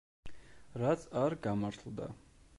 რაც არ გამართლდა.